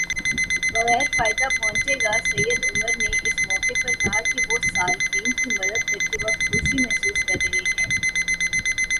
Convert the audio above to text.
بغیر فائدہ پہنچے گا سید عمر نے اس موقع پر کہا کہ وہ صارفین کی مدد کرکے بہت خوشی محسوس کر رہے ہیں